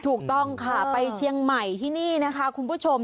ถูกต้องค่ะไปเชียงใหม่ที่นี่นะคะคุณผู้ชม